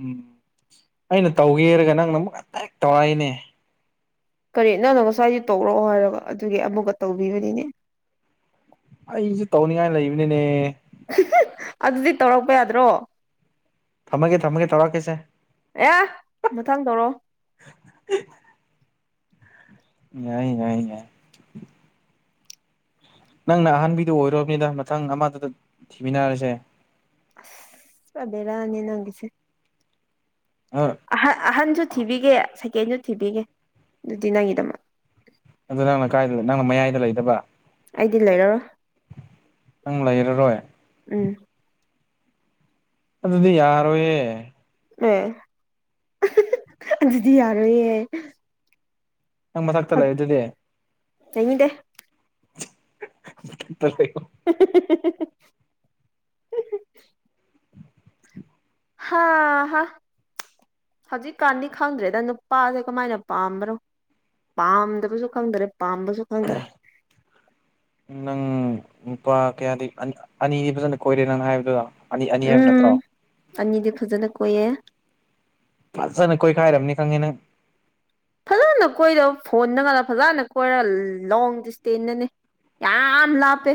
ꯎꯝ ꯑꯩꯅ ꯇꯧꯋꯦꯔꯒ ꯅꯪꯅ ꯑꯃꯨꯛ ꯍꯦꯛ ꯇꯧꯔꯛꯏꯅꯦ ꯀꯔꯤ ꯅꯪꯅꯣ ꯉꯁꯥꯏꯁꯨ ꯇꯧꯔꯛꯑꯣ ꯍꯥꯏꯔꯒ ꯑꯗꯨꯒꯤ ꯑꯃꯨꯛꯀ ꯇꯧꯕꯤꯕꯅꯤꯅꯦ ꯑꯩꯁꯨ ꯇꯧꯅꯤꯉꯥꯏ ꯂꯩꯕꯅꯤꯅꯦ ꯑꯗꯨꯗꯤ ꯇꯧꯔꯛꯄ ꯌꯥꯗ꯭ꯔꯣ ꯊꯝꯃꯒꯦ ꯊꯝꯃꯒꯦ ꯇꯧꯔꯛꯀꯦꯁꯦ ꯑꯦ ꯃꯊꯪ ꯇꯧꯔꯣ [inaudible] ꯉꯥꯏ ꯉꯥꯏ ꯉꯥꯏ ꯅꯪꯅ ꯑꯍꯟꯕꯤꯗꯨ ꯑꯣꯏꯔꯣꯔꯕꯅꯤꯅ ꯃꯊꯪ ꯑꯃꯗꯨꯗ ꯊꯤꯃꯤꯟꯅꯔꯁꯦ ꯑꯁ ꯄꯨꯔ ꯕꯦꯔꯥꯅꯤ ꯅꯪꯒꯤꯁꯦ ꯑ ꯑꯍ ꯑꯍꯟꯁꯨ ꯊꯤꯕꯤꯒꯦ ꯁꯦꯀꯦꯟꯁꯨ ꯊꯤꯕꯤꯒꯦ ꯑꯗꯨꯗꯤ ꯅꯪꯒꯤꯗꯃꯛ ꯑꯗꯨ ꯅꯪꯅ ꯀꯥꯏꯗ ꯅꯪꯅ ꯃꯌꯥꯏꯗ ꯂꯩꯗꯕ ꯑꯩꯗꯤ ꯂꯩꯔꯔꯣꯏ ꯅꯪ ꯂꯩꯥꯔꯔꯣꯏ ꯎꯝ ꯑꯗꯨꯗꯤ ꯌꯥꯔꯣꯏꯌꯦ ꯑꯦ ꯑꯗꯨꯗꯤ ꯌꯥꯔꯣꯏꯌꯦ ꯅꯪ ꯃꯊꯛꯇ ꯂꯩꯔꯤꯗꯨꯗꯤ ꯆꯩꯅꯤꯡꯗꯦ [unintelligible] ꯍꯦꯍꯦꯍꯦ ꯍꯥꯥ ꯍꯥ ꯍꯧꯖꯤꯛꯀꯥꯟꯗꯤ ꯈꯪꯗ꯭ꯔꯦꯗ ꯅꯨꯄꯥꯁꯦ ꯀꯃꯥꯏꯅ ꯄꯥꯝꯕꯅꯣ ꯄꯥꯝꯗꯕꯁꯨ ꯈꯪꯗꯔꯦ ꯄꯥꯝꯕꯁꯨ ꯈꯪꯗꯔꯦ ꯅꯨꯨꯄꯥ ꯀꯌꯥꯗꯤ ꯑꯅꯤ- ꯑꯅꯤꯗꯤ ꯐꯖꯅ ꯀꯣꯏꯔꯦ ꯅꯪ ꯍꯥꯏꯕꯗꯨ ꯑꯅꯤ ꯑꯅꯤ ꯍꯥꯏꯕ ꯎꯝ ꯅꯠꯇ꯭ꯔꯣ ꯑꯅꯤꯗꯤ ꯐꯖꯅ ꯀꯣꯏꯌꯦ ꯐꯖꯅ ꯀꯣꯏ ꯈꯥꯏꯔꯝꯅꯤ ꯈꯪꯉꯦ ꯅꯪ ꯐꯖꯅ ꯀꯣꯏꯔ ꯐꯣꯟꯗꯒ ꯐꯖꯅꯒ ꯀꯣꯏꯔ ꯂꯣꯡ ꯗꯤꯁꯇꯦꯟꯁꯇꯅꯤ ꯌꯥꯝ ꯂꯥꯞꯄꯦ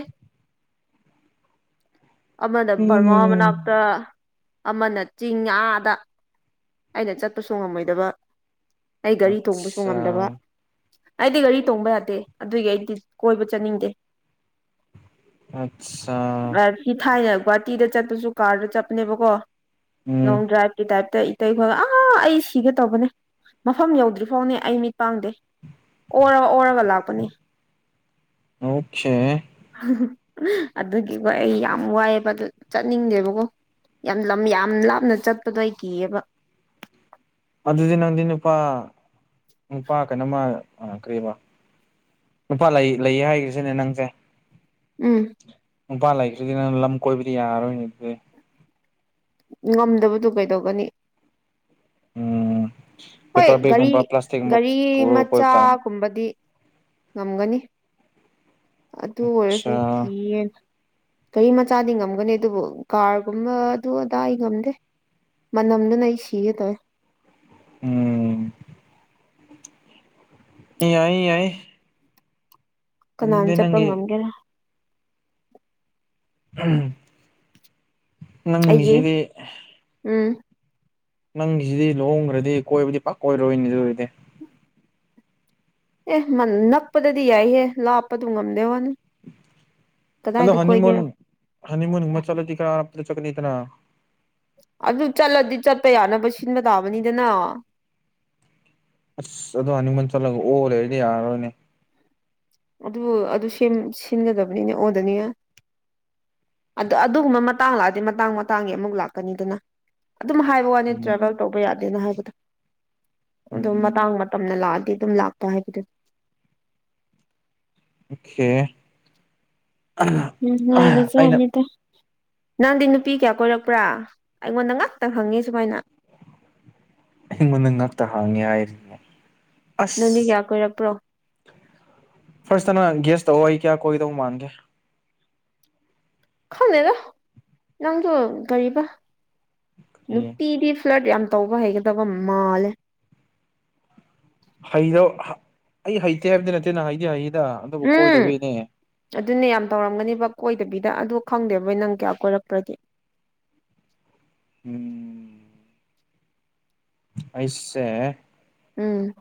ꯑꯃꯅ ꯕꯔꯃꯥ ꯎꯝ ꯃꯅꯥꯛꯇ ꯑꯃꯅ ꯆꯤꯡ ꯑꯥꯗ ꯑꯩꯅ ꯆꯠꯄꯁꯨ ꯉꯝꯃꯣꯏꯗꯕ ꯑꯩ ꯒꯥꯔꯤ ꯇꯣꯡꯕꯁꯨ ꯑꯠꯆꯥ ꯉꯝꯗꯕ ꯑꯩꯗꯤ ꯒꯥꯔꯤ ꯇꯣꯡꯕ ꯌꯥꯗꯦ ꯑꯗꯨꯒꯤ ꯑꯩꯗꯤ ꯀꯣꯏꯕ ꯆꯠꯅꯤꯡꯗꯦ ꯑꯠꯆꯥ ꯑꯥ ꯁꯤ ꯊꯥꯏꯅ ꯒꯨꯍꯥꯇꯤꯗ ꯆꯠꯄꯁꯨ ꯀꯥꯔꯗ ꯆꯠꯄꯅꯦꯕꯀꯣ ꯎꯝ ꯂꯣꯡ ꯗ꯭ꯔꯥꯏꯕꯀꯤ ꯇꯥꯏꯞꯇ ꯇꯩꯈꯣ ꯑꯥ ꯑꯩ ꯁꯤꯒꯦ ꯇꯧꯕꯅꯦ ꯃꯐꯝ ꯌꯧꯗ꯭ꯔꯤꯐꯥꯎꯅꯦ ꯑꯩ ꯃꯤ ꯄꯥꯡꯗꯦ ꯑꯣꯔ ꯑꯣꯔ ꯂꯥꯛꯄꯅꯤ ꯑꯣꯈꯦ ꯑꯗꯨꯒꯤꯀꯣ ꯑꯩ ꯌꯥꯝ ꯋꯥꯏꯑꯦꯕꯗꯨ ꯆꯠꯅꯤꯡꯗꯦꯕꯀꯣ ꯌꯥꯝ ꯂꯝ ꯌꯥꯝ ꯂꯥꯞꯅ ꯆꯠꯄꯗꯣ ꯑꯩ ꯀꯤꯌꯦꯕ ꯑꯗꯨꯗꯤ ꯅꯪꯗꯤ ꯅꯨꯄꯥ ꯅꯨꯄꯥ ꯀꯩꯅꯣꯝꯃ ꯑ ꯀꯔꯤꯕ ꯅꯨꯄꯥ ꯂꯩ ꯂꯩꯌꯦ ꯍꯥꯏꯈ꯭ꯔꯤꯁꯤꯅꯦ ꯅꯪꯁꯦ ꯎꯝ ꯅꯨꯄꯥ ꯂꯩꯔꯤꯁꯨꯗꯤ ꯅꯪ ꯂꯝ ꯀꯣꯏꯕꯗꯤ ꯌꯥꯔꯣꯏꯅꯦ ꯑꯗꯨꯗꯤ ꯉꯝꯗꯕꯗꯨ ꯀꯩꯗꯧꯒꯅꯤ ꯎꯝ ꯍꯣꯏ ꯄꯦꯄꯔ ꯒꯥꯔꯤ ꯕꯦꯒꯀꯨꯝꯕ ꯄ꯭ꯂꯥꯁꯇꯤꯛꯀꯨꯝꯕ ꯒꯥꯔꯤ ꯄꯨꯔꯒ ꯀꯣꯏꯕ ꯇꯥꯕꯅꯤ ꯃꯆꯥꯒꯨꯝꯕꯗꯤ ꯉꯝꯒꯅꯤ ꯑꯗꯨ ꯑꯣꯏꯔꯁꯨ ꯑꯠꯁꯥ ꯀꯤꯌꯦ ꯒꯔꯤ ꯃꯆꯥꯗꯤ ꯉꯝꯒꯅꯤ ꯑꯗꯨꯕꯨ ꯀꯥꯔꯒꯨꯝꯕ ꯑꯗꯨ ꯑꯗꯥ ꯑꯩ ꯉꯝꯗꯦ ꯃꯅꯝꯗꯨꯅ ꯑꯩ ꯁꯤꯒꯦ ꯇꯧꯋꯦ ꯎꯝ ꯑꯦ ꯌꯥꯏ ꯌꯥꯏ ꯑꯗꯨꯗꯤ ꯀꯅꯥꯅ ꯆꯠꯄ ꯅꯪꯒꯤ ꯉꯝꯒꯦꯔꯥ ꯎꯝ ꯑꯩꯒꯤ ꯅꯪꯒꯤꯁꯤꯗꯤ ꯎꯝ ꯅꯪꯒꯤꯁꯤꯗꯤ ꯂꯨꯍꯣꯡꯒ꯭ꯔꯗꯤ ꯀꯣꯏꯕꯗꯤ ꯄꯥꯛꯀꯣꯏꯔꯣꯏꯅꯦ ꯑꯗꯨ ꯑꯣꯏꯔꯗꯤ ꯑꯦ ꯅꯛꯄꯗꯗꯤ ꯌꯥꯏꯍꯦ ꯂꯥꯞꯄꯗꯨ ꯉꯝꯗꯦ ꯋꯥꯅꯤ ꯑꯗꯣ ꯀꯗꯥꯏꯗ ꯍꯅꯤꯃꯨꯟ ꯀꯣꯏꯒꯦꯔꯣ ꯍꯅꯤꯃꯨꯟ ꯒꯨꯝꯕ ꯆꯠꯂꯗꯤ ꯈꯔ ꯑꯔꯥꯞꯄꯗ ꯆꯠꯀꯅꯤꯗꯅ ꯑꯗꯨ ꯆꯠꯂꯗꯤ ꯆꯠꯄ ꯌꯥꯅꯕ ꯁꯤꯟꯕ ꯇꯥꯕꯅꯤꯗꯅ ꯑꯁ ꯑꯗꯣ ꯍꯅꯤꯃꯨꯟ ꯆꯠꯂꯒ ꯑꯣ ꯂꯩꯔꯗꯤ ꯌꯥꯔꯔꯣꯏꯅꯦ ꯑꯗꯨꯕꯨ ꯑꯗꯨ ꯁꯤꯝ ꯁꯤꯟꯒꯗꯕꯅꯤꯅꯦ ꯑꯣꯗꯅꯤ ꯉꯥꯏ ꯑꯗ ꯑꯗꯨꯒꯨꯝꯕ ꯃꯇꯥꯡ ꯂꯥꯛꯑꯗꯤ ꯃꯇꯥꯡ ꯃꯇꯥꯡꯒꯤ ꯑꯃꯨꯛ ꯂꯥꯛꯀꯅꯤꯗꯅ ꯑꯗꯨꯝ ꯍꯥꯏꯕ ꯋꯥꯅꯤ ꯇ꯭ꯔꯥꯕꯦꯜ ꯎꯝ ꯇꯧꯕ ꯌꯥꯗꯦꯅ ꯍꯥꯏꯕ ꯑꯗꯨꯝ ꯎꯝ ꯃꯇꯥꯡ ꯃꯇꯝꯅ ꯂꯥꯛꯑꯗꯤ ꯑꯗꯨꯝ ꯂꯥꯛꯄ ꯍꯥꯏꯕꯗꯨ ꯑꯣꯈꯦ ꯅꯨꯡꯉꯥꯢꯕ ꯖꯥꯠꯅꯤꯗ ꯅꯪꯗꯤ ꯅꯨꯄꯤ ꯀꯌꯥ ꯀꯣꯏꯔꯛꯄ꯭ꯔꯥ ꯑꯩꯉꯣꯟꯗ ꯉꯥꯛꯇ ꯍꯪꯉꯦ ꯁꯨꯃꯥꯏꯅ ꯑꯩꯉꯣꯟꯗ ꯉꯛꯇ ꯍꯪꯉꯦ ꯍꯥꯏꯔꯤꯅꯦ ꯅꯪꯗꯤ ꯑꯁ ꯀꯌꯥ ꯀꯣꯏꯔꯛꯄ꯭ꯔꯣ ꯐꯥꯔꯁꯇꯅ ꯒꯦꯁ ꯇꯧꯑꯣ ꯑꯩ ꯀꯌꯥ ꯀꯣꯏꯒꯗꯧ ꯃꯥꯟꯒꯦ ꯈꯪꯗꯦꯗ ꯅꯪꯗꯣ ꯀꯔꯤꯕ ꯅꯨꯄꯤꯗꯤ ꯐ꯭ꯂꯗ ꯌꯥꯝ ꯇꯧꯕ ꯍꯩꯒꯗꯕ ꯃꯥꯜꯂꯦ ꯍꯩ [unintelligible] ꯑꯩ ꯍꯩꯇꯦ ꯍꯥꯏꯕꯗꯤ ꯅꯠꯇꯦꯅ ꯍꯩꯗꯤ ꯍꯩ ꯎꯝ ꯑꯗꯨꯅꯦ ꯌꯥꯝ ꯇꯧꯔꯝꯒꯅꯤꯕ ꯀꯣꯏꯗꯕꯤꯗ ꯑꯗꯨ ꯈꯪꯗꯦꯕꯣ ꯅꯪ ꯀꯌꯥ ꯀꯣꯏꯔꯛꯄ꯭ꯔꯗꯤ ꯎꯝ ꯑꯩꯁꯦ ꯎꯝ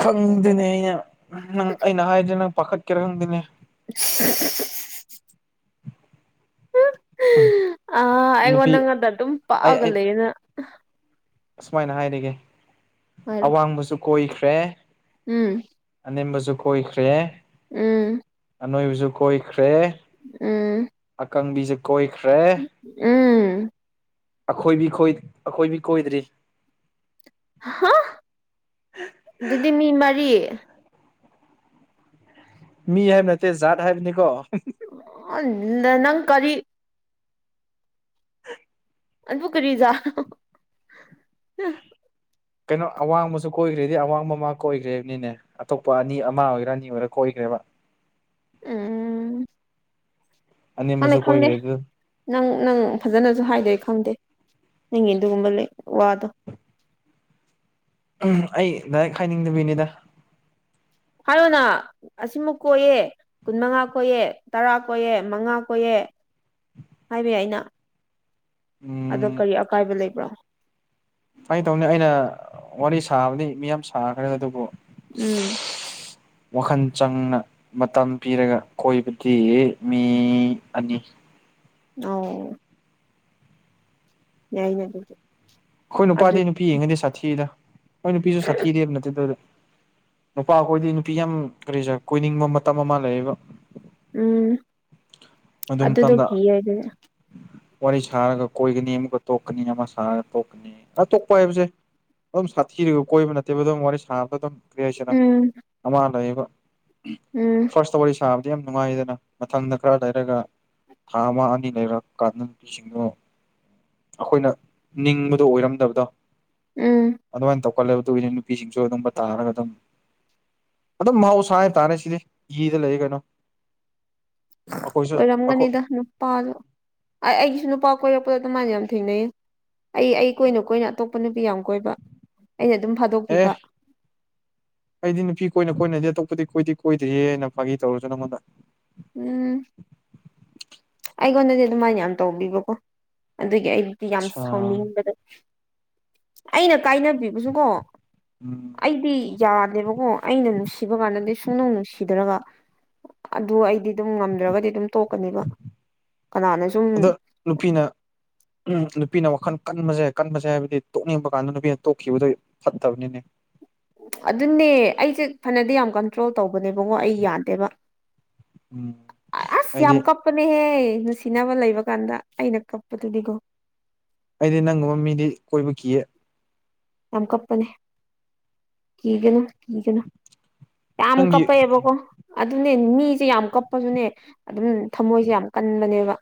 ꯈꯪꯗꯦꯅꯦ ꯑꯩꯅ ꯅꯪ ꯑꯩꯅ ꯍꯥꯏꯔꯗꯤ ꯅꯪ ꯄꯥꯈꯠꯀꯦꯔꯥ ꯈꯪꯗꯦꯅꯦ [unintelligible] ꯎꯝ [unintelligible] ꯑꯥ ꯑꯩꯉꯣꯟ ꯅꯨꯄꯤ ꯅꯪꯉꯣꯟꯗ ꯑꯗꯨꯝ ꯄꯥꯛꯑꯒ ꯂꯩꯌꯦ ꯅꯪ ꯑꯁꯨꯃꯥꯏꯅ ꯍꯥꯏꯔꯤꯒꯦ ꯍꯥꯏꯔꯣ ꯑꯋꯥꯡꯕꯁꯨ ꯀꯣꯏꯈ꯭ꯔꯦ ꯎꯝ ꯅꯦꯝꯕꯖꯨ ꯀꯣꯏꯈ꯭ꯔꯦ ꯎꯝ ꯑꯅꯣꯏꯕꯖꯨ ꯀꯣꯏ ꯎꯝ ꯀꯪꯕꯤꯖꯨ ꯀꯣꯏꯈ꯭ꯔꯦ ꯎꯝ ꯑꯈꯣꯏꯗꯤ ꯈꯣꯏ ꯑꯈꯣꯏꯗꯤ ꯀꯣꯏꯗ꯭ꯔꯤ ꯑꯍꯥ ꯑꯗꯨꯗꯤ ꯃꯤ ꯃꯔꯤ ꯃꯤ ꯍꯥꯏꯕ ꯅꯠꯇꯦ ꯖꯥꯠ ꯍꯥꯏꯕꯅꯤꯀꯣ ꯑ ꯅ ꯅꯪ ꯀꯔꯤ [inaudible] ꯑꯗꯨ ꯀꯔꯤꯔ ꯀꯩꯅꯣ ꯑꯋꯥꯡꯕꯁꯨ ꯀꯣꯏꯒ꯭ꯔꯦꯗꯤ ꯑꯋꯥꯡꯕꯝꯃꯥ ꯀꯣꯏꯒ꯭ꯔꯦꯅꯤꯅꯦ ꯑꯇꯣꯞꯄ ꯑꯅꯤ ꯑꯃ ꯑꯣꯏꯒꯦꯔꯥ ꯑꯅꯤ ꯀꯣꯏꯒ꯭ꯔꯦ ꯀꯩꯕꯥ ꯎꯝ ꯈꯪꯗꯦ ꯑꯅꯦꯝꯕꯁꯨ ꯈꯪꯗꯦ ꯀꯣꯏꯈ꯭ꯔꯦ ꯑꯗꯨ ꯅꯪ ꯅꯪ ꯐꯖꯅꯖꯨ ꯍꯥꯏꯗꯦ ꯈꯪꯗꯦ ꯅꯪꯒꯤ ꯑꯗꯨꯒꯨꯝꯕ ꯂꯩ ꯋꯥꯗꯣ ꯎꯝ ꯑꯩ ꯗꯥꯏꯔꯦꯛ ꯍꯥꯏꯅꯤꯡꯗꯕꯩꯅꯤꯗ ꯍꯥꯏꯔꯣꯅꯥ ꯑꯁꯤꯃ ꯀꯣꯏꯌꯦ ꯀꯨꯟ ꯃꯉꯥ ꯀꯣꯏꯑꯦ ꯇꯔꯥ ꯀꯣꯏꯌꯦ ꯃꯉꯥ ꯀꯣꯏꯌꯦ ꯍꯥꯏꯕ ꯌꯥꯏꯅ ꯑꯥꯗ ꯎꯝ ꯀꯔꯤ ꯑꯀꯥꯏꯕ ꯂꯩꯕ꯭ꯔꯣ ꯐꯥꯒꯤ ꯇꯧꯅꯤ ꯑꯩꯅ ꯋꯥꯔꯤ ꯁꯥꯕꯗꯤ ꯃꯤ ꯌꯥꯝ ꯁꯥꯈ꯭ꯔꯦ ꯑꯗꯨꯕꯨ ꯎꯝ ꯋꯥꯈꯜ ꯆꯪꯅ ꯃꯇꯝ ꯄꯤꯔꯒ ꯀꯣꯏꯕꯗꯤ ꯃꯤ ꯑꯅꯤ ꯑꯣ ꯌꯥꯏꯅꯦ ꯑꯗꯨꯗꯤ ꯈꯣꯏ ꯑꯗꯨ ꯅꯨꯄꯥꯗꯤ ꯅꯨꯄꯤ ꯌꯦꯡꯉꯗꯤ ꯁꯥꯊꯤꯗ ꯅꯣꯏ ꯅꯨꯄꯤꯖꯨ ꯁꯥꯊꯤꯗꯦꯕ ꯅꯠꯇꯦꯗ ꯅꯨꯄꯥ ꯑꯈꯣꯏꯗꯤ ꯅꯨꯄꯤ ꯌꯥꯝ ꯀꯔꯤꯖꯦ ꯀꯣꯏꯅꯤꯡꯕ ꯃꯇꯝ ꯑꯃ ꯂꯩꯌꯦꯕꯥ ꯎꯝ ꯃꯗꯨ ꯑꯗꯨꯗꯣ ꯃꯇꯝꯗ ꯀꯤꯌꯦ ꯑꯩꯗꯤ ꯋꯥꯔꯤ ꯁꯥꯔꯒ ꯀꯣꯏꯒꯅꯤ ꯑꯃꯨꯛꯀ ꯇꯣꯛꯀꯅꯤ ꯑꯃ ꯁꯥꯔ ꯇꯣꯛꯀꯅꯤ ꯑ ꯇꯣꯛꯄ ꯍꯥꯏꯕꯖꯦ ꯑꯗꯨꯝ ꯁꯥꯊꯤꯔꯒ ꯀꯣꯏꯕ ꯅꯠꯇꯦꯕ ꯑꯗꯨꯝ ꯋꯥꯔꯤ ꯁꯥꯕꯗꯨꯝ ꯀ꯭ꯔꯤꯍꯥꯏꯁꯤꯔ ꯎꯝ ꯑꯃ ꯂꯩꯌꯦꯕ ꯎꯝ ꯐꯥꯔꯁꯇ ꯋꯥꯔꯤ ꯁꯥꯕꯗꯤ ꯌꯥꯝ ꯅꯨꯡꯉꯥꯏꯗꯅ ꯃꯊꯪꯗ ꯈꯥꯔ ꯂꯩꯔꯒ ꯊꯥ ꯑꯃ ꯑꯅꯤ ꯂꯩꯔꯀꯥꯟꯗ ꯅꯨꯄꯤꯁꯤꯡꯗꯣ ꯑꯈꯣꯏꯅ ꯅꯤꯡꯕꯗꯣ ꯑꯣꯏꯔꯝꯗꯕꯗꯣ ꯎꯝ ꯑꯗꯨꯃꯥꯏꯅ ꯇꯧ ꯈꯣꯠꯂꯦꯕ ꯗꯨꯒꯤꯅꯤ ꯅꯨꯄꯤꯁꯤꯡꯁꯨ ꯑꯗꯨꯝꯕ ꯇꯥꯔꯒ ꯑꯗꯨꯝ ꯑꯗꯨꯝ ꯃꯍꯧꯁꯥ ꯍꯥꯏ ꯇꯥꯔꯦ ꯁꯤꯗꯤ ꯀꯤꯔ ꯂꯩꯒꯅꯣ ꯑꯣꯏꯔꯝꯒꯅꯤꯗ ꯅꯨꯄꯥꯖꯨ ꯑꯩ ꯑꯩꯒꯤꯁꯨ ꯅꯨꯄꯥ ꯀꯣꯏꯔꯛꯄ ꯍꯣꯏ ꯑꯗꯨꯃꯥꯏꯅ ꯌꯥꯝ ꯊꯦꯡꯅꯩꯌꯦ ꯑꯩ ꯑꯩ ꯀꯣꯏꯅ ꯀꯣꯏꯅ ꯑꯇꯣꯞꯄ ꯅꯨꯄꯤ ꯌꯥꯝ ꯀꯣꯏꯕ ꯑꯩꯅ ꯑꯗꯨꯝ ꯑꯦ ꯐꯥꯗꯣꯛꯄꯤꯕ ꯑꯩꯗꯤ ꯅꯨꯄꯤ ꯀꯣꯏꯅ ꯀꯣꯏꯅꯗꯤ ꯑꯇꯣꯞꯄꯗꯤ ꯀꯣꯏꯗꯤ ꯀꯣꯏꯗꯤꯌꯦꯅ ꯐꯥꯒꯤ ꯇꯧꯔ ꯅꯪꯉꯣꯟꯗ ꯎꯝ ꯑꯩꯉꯣꯟꯗꯗꯤ ꯑꯗꯨꯃꯥꯏꯅ ꯌꯥꯝ ꯇꯧꯕꯤꯕꯀꯣ ꯑꯗꯨꯒꯤ ꯑꯩꯗꯤ ꯌꯥꯝ ꯑꯆꯥ ꯁꯥꯎꯅꯤꯡꯕꯗ ꯑꯩꯅ ꯀꯥꯏꯅꯕꯤꯕꯁꯨ ꯀꯣ ꯎꯝ ꯑꯩꯗꯤ ꯌꯥꯗꯦꯕꯀꯣ ꯑꯩꯅ ꯅꯨꯡꯁꯤꯕ ꯀꯥꯟꯗꯗꯤ ꯁꯨꯡꯅꯨꯡ ꯅꯨꯡꯁꯤꯗ꯭ꯔꯒ ꯑꯗꯨ ꯑꯩꯗꯤ ꯑꯗꯨꯝ ꯉꯝꯗ꯭ꯔꯒꯗꯤ ꯑꯗꯨꯝ ꯇꯣꯛꯀꯅꯤꯕ ꯀꯅꯥꯅ ꯁꯨꯝ ꯑꯗꯣ ꯅꯨꯄꯤꯅ ꯎꯝ ꯅꯨꯄꯤꯅ ꯋꯥꯈꯜ ꯀꯟꯕꯁꯦ ꯀꯟꯕꯁꯦ ꯍꯥꯏꯕꯗꯤ ꯇꯣꯛꯅꯤꯡꯕ ꯀꯥꯟꯗ ꯅꯨꯄꯤꯅ ꯇꯣꯛꯈꯤꯕꯗꯣ ꯐꯠꯇꯕꯅꯤꯅꯦ ꯑꯗꯨꯅꯦ ꯑꯩꯁꯦ ꯐꯅꯗꯤ ꯌꯥꯝ ꯀꯟꯇ꯭ꯔꯣꯜ ꯇꯧꯕꯅꯦꯕꯀꯣ ꯑꯩ ꯌꯥꯗꯦꯕ ꯎꯝ ꯑꯁ ꯌꯥꯝ ꯑꯩꯗꯤ ꯀꯞꯄꯅꯦ ꯍꯦ ꯅꯨꯡꯁꯤꯅꯕ ꯂꯩꯕ ꯀꯥꯟꯗ ꯑꯩꯅ ꯀꯛꯄꯗꯨꯗꯤꯀꯣ ꯑꯩꯗꯤ ꯅꯪꯒꯨꯝꯕ ꯃꯤꯗꯤ ꯀꯣꯏꯕ ꯀꯤꯌꯦ ꯌꯥꯝ ꯀꯞꯄꯅꯦ ꯀꯤꯒꯅꯣ ꯀꯤꯒꯅꯣ ꯌꯥꯝ ꯅꯪꯒꯤ ꯀꯞꯄꯛꯑꯦꯕꯀꯣ ꯑꯗꯨ ꯃꯤꯁꯦ ꯌꯥꯝ ꯀꯞꯄꯥꯁꯨꯅꯦ ꯑꯗꯨꯝ ꯊꯃꯣꯏꯁꯦ ꯌꯥꯝ ꯀꯟꯕꯅꯦꯕ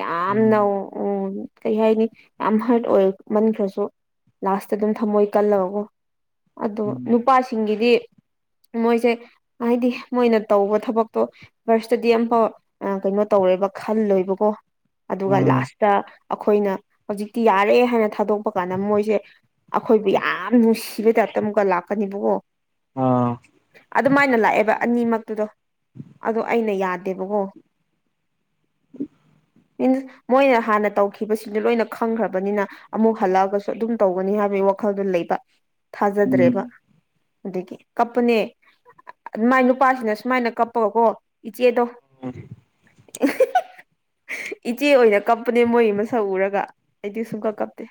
ꯌꯥꯝꯅ ꯎꯝ ꯎꯝ ꯀꯩ ꯍꯥꯏꯅꯤ ꯌꯥꯝ ꯍꯔꯠ ꯑꯣꯏꯃꯟꯈ꯭ꯔꯁꯨ ꯂꯥꯁ ꯑꯗꯨꯝ ꯊꯝꯃꯣꯏ ꯀꯜꯂꯒꯀꯣ ꯑꯗꯣ ꯎꯝ ꯅꯨꯄꯥꯁꯤꯡꯒꯤꯗꯤ ꯃꯣꯏꯁꯦ ꯍꯥꯏꯗꯤ ꯃꯣꯏꯅ ꯇꯧꯕ ꯊꯕꯛꯇꯣ ꯚꯔꯁꯇꯗꯤ ꯑꯃꯝꯐꯥꯎ ꯀꯩꯅꯣ ꯇꯧꯔꯣꯏꯕ ꯈꯜꯂꯣꯏꯕꯀꯣ ꯑꯗꯨꯒ ꯎꯝ ꯂꯥꯁꯇ ꯑꯈꯣꯏꯅ ꯍꯧꯖꯤꯛꯇꯤ ꯌꯥꯔꯦ ꯍꯥꯏꯅ ꯊꯥꯗꯣꯛꯄ ꯀꯥꯟꯗ ꯃꯣꯏꯁꯦ ꯑꯩꯈꯣꯏꯕꯨ ꯌꯥꯝ ꯅꯨꯡꯁꯤꯕꯩ ꯇꯥꯏꯞꯇ ꯑꯃꯨꯛꯀ ꯂꯥꯛꯀꯅꯤꯕꯀꯣ ꯑꯥ ꯑꯗꯨꯃꯥꯏꯅ ꯂꯥꯛꯑꯦꯕ ꯑꯅꯤꯃꯛꯇꯨꯗꯣ ꯑꯗꯣ ꯑꯩꯅ ꯌꯥꯗꯦꯕꯀꯣ ꯃꯤꯟꯁ ꯃꯣꯏꯅ ꯍꯥꯟꯅ ꯇꯧꯈꯤꯕꯁꯤꯡꯗꯨ ꯂꯣꯏꯅ ꯈꯪꯈ꯭ꯔꯕꯅꯤꯅ ꯑꯃꯨꯛ ꯍꯜꯂꯛꯑꯒꯁꯨ ꯑꯗꯨꯝ ꯇꯧꯒꯅꯤ ꯍꯥꯏꯕ ꯋꯥꯈꯜꯗꯨ ꯂꯩꯕ ꯊꯥꯖꯗ꯭ꯔꯦꯕ ꯎꯝ ꯑꯗꯒꯤ ꯀꯞꯄꯅꯦ ꯃꯥꯏ ꯅꯨꯄꯥꯁꯤꯅ ꯁꯨꯃꯥꯏꯅ ꯀꯞꯄꯒꯀꯣ ꯏꯆꯦꯗꯣ ꯎꯝ [unintelligible] ꯏꯍꯤꯍꯤꯍꯤ ꯏꯆꯦ ꯑꯣꯏꯅ ꯀꯞꯄꯅꯦ ꯃꯣꯏꯒꯤ ꯃꯁꯛ ꯎꯔꯒ ꯑꯩꯗꯤ ꯁꯨꯡꯀꯞ ꯀꯞꯇꯦ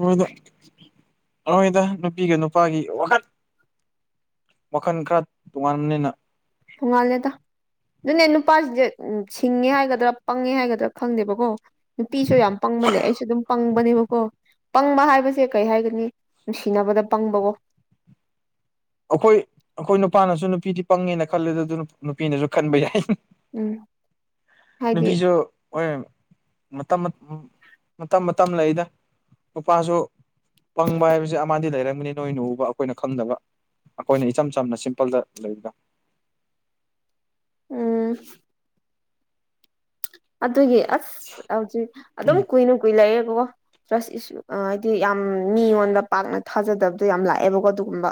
ꯃꯣꯏꯗ ꯍꯣꯏꯗ ꯅꯨꯄꯤꯒ ꯅꯨꯄꯥꯒꯤ ꯋꯥꯈꯜ ꯋꯥꯈꯟ ꯈꯔ ꯇꯣꯉꯥꯟꯕꯅꯤꯅ ꯇꯣꯉꯥꯜꯂꯦꯗ ꯑꯗꯨꯅꯦ ꯅꯨꯄꯥꯁꯤꯡꯁꯦ ꯁꯤꯡꯉꯦ ꯍꯥꯏꯒꯗ꯭ꯔꯥ ꯄꯪꯉꯦ ꯍꯥꯏꯒꯗ꯭ꯔꯥ ꯈꯪꯗꯦꯕꯀꯣ ꯅꯨꯄꯤꯁꯨ ꯌꯥꯝ ꯄꯪꯕ ꯂꯩ ꯑꯩꯁꯨ ꯑꯗꯨꯝ ꯄꯪꯕꯅꯦꯕꯀꯣ ꯄꯪꯕ ꯍꯥꯏꯕꯁꯦ ꯀꯩ ꯍꯥꯏꯒꯅꯤ ꯅꯨꯡꯁꯤꯅꯕꯗ ꯄꯪꯕꯀꯣ ꯑꯈꯣꯏ ꯑꯈꯣꯏ ꯅꯨꯄꯥꯅꯁꯨ ꯅꯨꯄꯤꯗꯤ ꯄꯪꯉꯦꯅ ꯈꯜꯂꯦꯗ ꯑꯗꯨ ꯅꯨꯄꯤꯅꯁꯨ ꯈꯟꯕ ꯌꯥꯏ ꯎꯝ ꯍꯥꯏꯗꯤ ꯅꯨꯄꯤꯁꯨ ꯑꯣꯏ ꯃꯇꯝ ꯃꯠ ꯃꯇꯝ ꯃꯇꯝ ꯂꯩꯌꯦꯗ ꯅꯨꯄꯥꯁꯨ ꯄꯪꯕ ꯍꯥꯏꯕꯁꯦ ꯑꯃꯥꯗꯤ ꯂꯩꯔꯝꯒꯅꯤ ꯅꯣꯏꯅ ꯎꯕ ꯑꯩꯈꯣꯏꯅ ꯈꯪꯗꯕ ꯑꯩꯈꯣꯏꯅ ꯏꯆꯝ ꯆꯝꯅ ꯁꯤꯝꯄꯜꯗ ꯂꯩꯕꯗꯣ ꯎꯝ ꯑꯗꯨꯒꯤ ꯑꯁ ꯍꯧꯖꯤꯛ ꯑꯗꯨꯝ ꯀꯨꯏꯅ ꯀꯨꯏ ꯂꯩꯌꯦ ꯑꯣ ꯇ꯭ꯔꯁ ꯏꯁꯨ ꯍꯥꯏꯗꯤ ꯌꯥꯝ ꯃꯤꯉꯣꯟꯗ ꯄꯥꯛꯅ ꯊꯥꯖꯗꯕꯗꯣ ꯌꯥꯝ ꯂꯥꯛꯑꯦꯕꯀꯣ ꯑꯗꯨꯒꯨꯝꯕ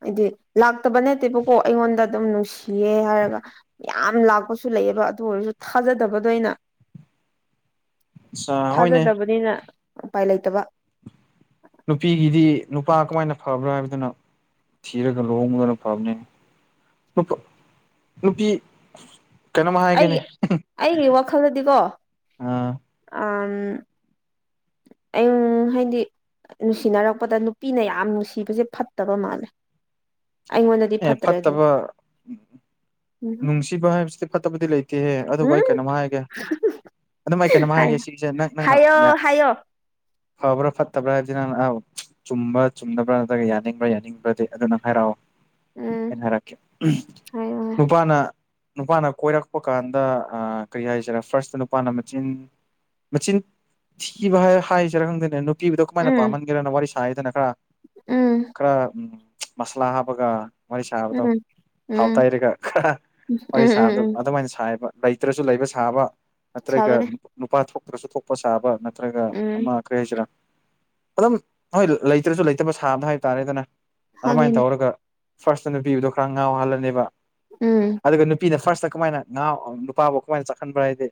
ꯍꯥꯏꯗꯤ ꯂꯥꯛꯇꯕ ꯅꯠꯇꯦꯕꯀꯣ ꯑꯩꯉꯣꯟꯗ ꯑꯗꯨꯝ ꯅꯨꯡꯁꯤꯌꯦ ꯍꯥꯏꯔꯒ ꯌꯥꯝ ꯂꯥꯛꯄꯁꯨ ꯂꯩꯌꯦꯕ ꯑꯗꯨ ꯑꯣꯏꯔꯁꯨ ꯊꯥꯖꯗꯕꯗꯣ ꯑꯩꯅ ꯑ ꯍꯣꯏꯅꯦ ꯊꯥꯖꯗꯕꯅꯤꯅ ꯎꯄꯥꯏ ꯂꯩꯇꯕ ꯅꯨꯄꯤꯒꯤꯗꯤ ꯅꯨꯄꯥ ꯀꯃꯥꯏꯅ ꯐꯕ꯭ꯔꯥ ꯍꯥꯏꯕꯗꯨꯅ ꯊꯤꯔꯒ ꯂꯨꯍꯣꯡꯕꯅ ꯐꯕꯅꯦ ꯅꯨꯄꯥ ꯅꯨꯄꯤ ꯀꯩꯅꯣꯝ ꯍꯥꯏꯒꯦꯅꯦ ꯑꯩꯒꯤ ꯑꯩꯒꯤ ꯋꯥꯈꯜꯗꯗꯤꯀꯣ ꯑ ꯑꯝ ꯎꯝ ꯑꯪ ꯍꯥꯏꯗꯤ ꯑ ꯅꯨꯡꯁꯤꯅꯔꯛꯄꯗ ꯅꯨꯄꯤꯅ ꯌꯥꯝ ꯅꯨꯡꯁꯤꯕꯁꯦ ꯐꯠꯇꯕ ꯃꯥꯜꯂꯦ ꯑꯩꯉꯣꯟꯗꯗꯤ ꯑꯦ ꯐꯠꯇ꯭ꯔꯦ ꯑꯗꯨ ꯐꯠꯇꯕ ꯎꯝ ꯅꯨꯡꯁꯤꯕ ꯍꯥꯏꯕꯁꯤꯗꯤ ꯐꯠꯇꯕꯗꯤ ꯂꯩꯇꯦꯍꯦ ꯑꯗꯨꯕꯨ ꯑꯩ ꯎꯝ ꯀꯩꯅꯣꯝꯃ ꯍꯥꯏꯒꯦ ꯑꯗꯨꯝ ꯑꯩ ꯀꯩꯅꯣꯝꯃ ꯍꯥꯏ ꯍꯥꯏꯒꯦ ꯁꯤꯒꯤꯁꯦ ꯅꯪ ꯅꯪꯅ ꯍꯥꯏꯌꯣ ꯌꯥ ꯍꯥꯏꯌꯣ ꯐꯕ꯭ꯔꯥ ꯐꯠꯇꯕ꯭ꯔꯥ ꯍꯥꯏꯕꯁꯤꯅ ꯅꯪꯅ ꯑꯧ ꯆꯨꯝꯕ꯭ꯔꯥ ꯆꯨꯝꯗꯕ꯭ꯔꯥ ꯅꯠꯇ꯭ꯔꯒ ꯌꯥꯅꯤꯡꯕ꯭ꯔꯥ ꯌꯥꯅꯤꯡꯕ꯭ꯔꯥꯗꯤ ꯑꯗꯨ ꯅꯪ ꯍꯥꯏꯔꯛꯑꯣ ꯎꯝ ꯑꯩꯅ ꯍꯥꯢꯔꯛꯀꯦ ꯍꯥꯏꯌꯣ ꯍꯝ ꯅꯨꯄꯥꯅ ꯅꯨꯄꯥꯅ ꯀꯣꯏꯔꯛꯄ ꯀꯥꯟꯗ ꯑ ꯀꯩ ꯍꯥꯏꯁꯦꯔ ꯐꯥꯔꯁꯇ ꯅꯨꯄꯥꯅ ꯃꯆꯤꯟ ꯃꯆꯤꯟ ꯊꯤꯕ ꯍꯥꯏ ꯍꯥꯏꯖꯦꯔ ꯈꯪꯗꯦꯅꯦ ꯅꯨꯞ ꯀꯤꯕꯗꯣ ꯀꯃꯥꯏꯅ ꯎꯝ ꯄꯥꯝꯃꯟꯒꯦꯔꯅ ꯋꯥꯔꯤ ꯁꯥꯏꯌꯦꯗꯅ ꯈꯔ ꯎꯝ ꯈꯔ ꯎꯝ ꯃꯁꯂꯥ ꯍꯥꯞꯄꯒ ꯋꯥꯔꯤ ꯎꯝ ꯁꯥꯕꯗꯣ ꯊꯥꯎ ꯎꯝ ꯇꯩꯔꯒ ꯍꯥ ꯎꯝ ꯋꯥꯔꯤ ꯁꯥꯕꯗꯣ ꯎꯝ ꯎꯝ ꯑꯗꯨꯃꯥꯏꯅ ꯁꯥꯏꯌꯦꯕ ꯂꯩꯇ꯭ꯔꯁꯨ ꯂꯩꯕ ꯁꯥꯕ ꯅꯠꯇ꯭ꯔꯒ ꯁꯥꯕꯅꯦ ꯅꯨꯄꯥ ꯊꯣꯛꯇ꯭ꯔꯁꯨ ꯊꯣꯛꯄ ꯁꯥꯕ ꯅꯠꯇ꯭ꯔꯒ ꯎꯝ ꯑꯃ ꯀꯩ ꯍꯥꯏꯁꯤꯔꯥ ꯑꯗꯨꯝ ꯍꯣꯏ ꯂꯩꯇ꯭ꯔꯁꯨ ꯂꯩꯇꯕ ꯁꯥꯕꯗꯣ ꯍꯥꯏ ꯇꯥꯔꯦꯗꯅ ꯑꯗꯨꯃꯥꯏꯅ ꯍꯪꯉꯤꯅꯦ ꯇꯧꯔꯒ ꯐꯥꯔꯁꯇ ꯅꯨꯄꯤꯒꯗꯨ ꯈꯔ ꯉꯥꯎꯍꯜꯂꯅꯦꯕ ꯎꯝ ꯑꯗꯨꯒ ꯅꯨꯄꯤꯅ ꯐꯥꯔꯁꯇ ꯀꯃꯥꯏꯅ ꯉꯥꯎ ꯅꯨꯄꯥꯕꯨ ꯀꯃꯥꯏꯅ ꯆꯥꯛꯍꯟꯕ꯭ꯔꯥ ꯍꯥꯏꯗꯤ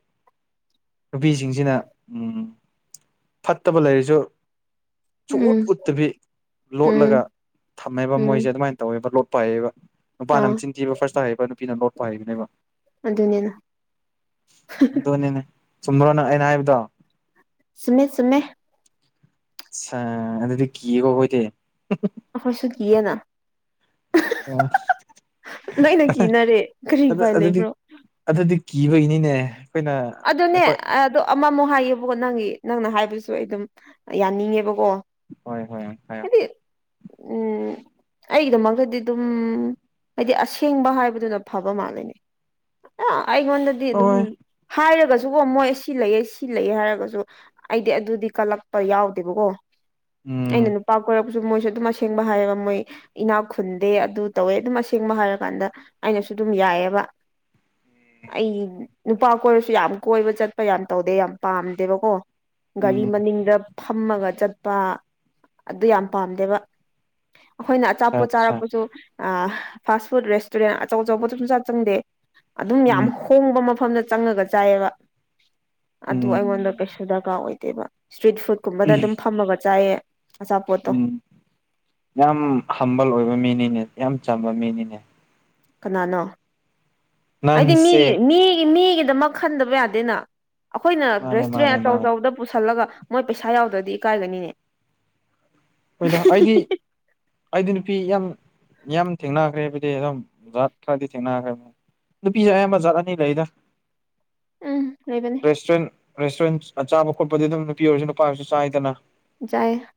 ꯅꯨꯄꯤꯁꯤꯡꯁꯤꯅ ꯎꯝ ꯐꯠꯇꯕ ꯂꯩꯔꯁꯨ ꯁꯨꯛ ꯎꯠ ꯎꯝ ꯎꯠꯇꯕꯤ ꯂꯣꯠꯂꯒ ꯎꯝ ꯊꯝꯃꯦꯕ ꯃꯣꯏꯁꯦ ꯎꯝ ꯑꯗꯨꯃꯥꯏꯅ ꯇꯧꯋꯦꯕ ꯂꯣꯠꯄꯍꯩꯌꯦꯕ ꯅꯨꯄꯥꯅ ꯑꯥ ꯑꯃ ꯆꯤꯟꯊꯤꯕ ꯐꯥꯔꯁꯇ ꯇꯌꯦꯕ ꯅꯨꯄꯤꯅ ꯂꯣꯠꯄ ꯍꯩꯕꯅꯦꯕ ꯑꯗꯨꯅꯦꯅ ꯍꯥꯍꯥ ꯆꯨꯝꯕ꯭ꯔꯣꯅ ꯑꯩꯅ ꯍꯥꯏꯕꯗꯣ ꯆꯨꯝꯃꯦ ꯆꯨꯝꯃꯦ ꯆꯥ ꯑꯗꯨꯗꯤ ꯀꯤꯌꯦ ꯀꯣ ꯑꯈꯣꯢꯗꯤ ꯍꯝꯍꯝ ꯑꯈꯣꯢꯁꯨ ꯀꯤꯌꯦꯅ ꯑ ꯂꯣꯏꯅ ꯑꯍꯥ ꯀꯤꯅꯔꯦ ꯀꯔꯤ ꯑꯗꯨ ꯎꯄꯥꯏ ꯑꯗꯨꯗꯤ ꯂꯩꯕ꯭ꯔꯣ ꯑꯗꯨꯗꯤ ꯀꯤꯕꯒꯤꯅꯤꯅꯦ ꯑꯩꯈꯣꯏꯅ ꯑꯗꯨꯅꯦ ꯑꯩꯈꯣꯏ ꯑꯗꯣ ꯑꯃꯃꯨꯛ ꯍꯥꯏꯌꯦꯕꯀꯣ ꯅꯪꯒꯤ ꯅꯪꯅ ꯍꯥꯏꯕꯁꯨ ꯑꯩ ꯑꯗꯨꯝ ꯌꯥꯅꯤꯡꯉꯦꯕ ꯍꯣꯏ ꯍꯣꯏ ꯍꯥꯢꯌꯣ ꯎꯝ ꯑꯩꯒꯤꯗꯃꯛꯇꯗꯤ ꯑꯗꯨꯝ ꯍꯥꯏꯗꯤ ꯑꯁꯦꯡꯕ ꯍꯥꯏꯕꯗꯨꯅ ꯐꯕ ꯃꯥꯜꯂꯦꯅꯦ ꯑ ꯑꯩꯉꯣꯟꯗꯗꯤ ꯑꯗꯨꯝ ꯍꯣꯏ ꯍꯥꯏꯔꯒꯁꯨꯀꯣ ꯃꯣꯏ ꯁꯤ ꯂꯩꯌꯦ ꯁꯤ ꯂꯩꯌꯦ ꯍꯥꯏꯔꯒꯁꯨ ꯑꯩꯗꯤ ꯑꯗꯨꯗꯤ ꯀꯜꯂꯛꯄ ꯌꯥꯎꯗꯦꯕꯀꯣ ꯎꯝ ꯑꯩꯅ ꯅꯨꯄꯥ ꯀꯣꯢꯔꯛ ꯃꯣꯏꯁꯨ ꯑꯗꯨꯝ ꯑꯁꯦꯡꯕ ꯍꯥꯏꯌꯦꯕ ꯃꯣꯏ ꯏꯅꯥꯛ ꯈꯨꯟꯗꯦ ꯑꯗꯨ ꯇꯧꯋꯦ ꯑꯗꯨꯝ ꯑꯁꯦꯡꯕ ꯍꯥꯏꯔꯀꯥꯟꯗ ꯑꯩꯅꯁꯨ ꯁꯨ ꯑꯗꯨꯝ ꯌꯥꯏꯌꯦꯕ ꯑꯩ ꯅꯨꯄꯥ ꯀꯣꯏꯔꯁꯨ ꯌꯥꯝ ꯀꯣꯏꯕ ꯆꯠꯄ ꯌꯥꯝ ꯇꯧꯗꯦ ꯌꯥꯝ ꯄꯥꯝꯗꯦꯕꯀꯣ ꯒꯥꯔꯤ ꯎꯝ ꯃꯅꯤꯡꯗ ꯐꯝꯃꯒ ꯆꯠꯄ ꯑꯗꯨ ꯌꯥꯝ ꯄꯥꯝꯗꯦꯕ ꯑꯩꯈꯣꯏꯅ ꯑꯆꯥ ꯑꯆꯥꯄꯣꯠ ꯑꯆꯥ ꯆꯥꯔꯛꯄꯁꯨ ꯑ ꯐꯥꯁ ꯐꯨꯗ ꯔꯦꯁꯇꯨꯔꯦꯟ ꯑꯆꯧ ꯑꯆꯧꯕꯁꯨ ꯁꯨꯡꯆꯥꯛ ꯆꯪꯗꯦ ꯑꯗꯨꯝ ꯌꯥꯝ ꯎꯝ ꯍꯣꯡꯕ ꯃꯐꯝꯗ ꯆꯪꯉꯒ ꯆꯥꯏꯌꯦꯕ ꯑꯗꯨ ꯎꯝ ꯑꯩꯉꯣꯟꯗ ꯀꯩꯁꯨ ꯗꯔꯀꯥꯔ ꯑꯣꯏꯗꯦꯕ ꯏꯁꯇ꯭ꯔꯤꯠ ꯐꯨꯗ ꯀꯨꯝꯕꯗ ꯑꯗꯨꯝ ꯐꯝꯃꯒ ꯆꯥꯏꯌꯦ ꯑꯆꯥꯄꯣꯠꯇꯣ ꯎꯝ ꯌꯥꯝ ꯍꯝꯕꯜ ꯑꯣꯏꯕ ꯃꯤꯅꯤꯅꯦ ꯌꯥꯝ ꯆꯝꯕ ꯃꯤꯅꯤꯅꯦ ꯀꯅꯥꯅꯣ ꯍꯥꯏꯗꯤ ꯅꯪꯁꯦ ꯃꯤꯒꯤ ꯃꯤꯒꯤ ꯃꯤꯒꯤꯗꯃꯛ ꯈꯟꯗꯕ ꯌꯥꯗꯦꯅ ꯑꯩꯈꯣꯏꯅ ꯃꯥꯅꯦ ꯔꯦꯁꯇꯨꯔꯦꯟ ꯃꯥꯅꯦ ꯑꯆꯧ ꯃꯥꯅꯦ ꯑꯆꯧꯕꯗ ꯄꯨꯁꯜꯂꯒ ꯃꯣꯏ ꯄꯩꯁꯥ ꯌꯥꯎꯗ꯭ꯔꯗꯤ ꯏꯀꯥꯏꯒꯅꯤꯅꯦ ꯍꯣꯏꯗ ꯑꯩꯗꯤ ꯑꯩꯗꯤ ꯅꯨꯄꯤ ꯌꯥꯝ ꯌꯥꯝ ꯊꯦꯡꯅꯈ꯭ꯔꯦ ꯍꯥꯏꯕꯗꯤ ꯑꯗꯨꯝ ꯖꯥꯠ ꯈꯔꯗꯤ ꯊꯦꯡꯅꯈ꯭ꯔꯦ ꯅꯨꯄꯤꯁꯦ ꯑꯌꯥꯝꯕ ꯒꯥꯠ ꯑꯅꯤ ꯂꯩꯌꯦꯗ ꯎꯝ ꯂꯩꯕꯅꯦ ꯔꯦꯁꯇꯨꯔꯦꯟ ꯔꯦꯁꯇꯨꯔꯦꯟ ꯑ ꯆꯥꯕ ꯈꯣꯠꯄꯗꯤ ꯑꯗꯨꯝ ꯅꯨꯄꯤ ꯑꯣꯏꯔꯁꯨ ꯅꯨꯄꯥ ꯑꯣꯏꯔꯁꯨ ꯆꯥꯏꯗꯅ ꯖꯥꯏꯌꯦ